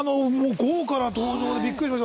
豪華な登場でびっくりしました。